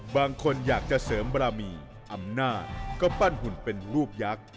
บางคนอยากจะเสริมบารมีอำนาจก็ปั้นหุ่นเป็นลูกยักษ์